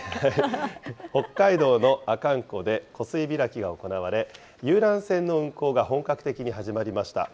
北海道の阿寒湖で、湖水開きが行われ、遊覧船の運航が本格的に始まりました。